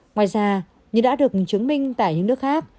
ngoài ra như đã được chứng minh tại những nước khác